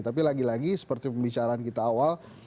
tapi lagi lagi seperti pembicaraan kita awal